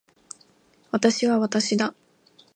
私は私だ